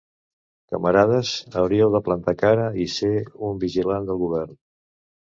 Camarades, hauríeu de plantar cara i ser un vigilant del govern.